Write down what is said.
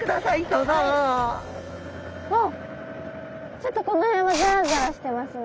ちょっとこの辺はザラザラしてますね。